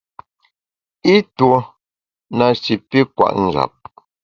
I tuo na shi pi kwet njap.